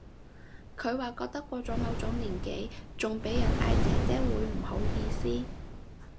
佢話覺得過咗某個年紀仲俾人嗌姐姐會唔好意思